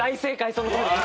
そのとおりです。